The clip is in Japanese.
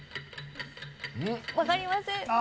わかりません。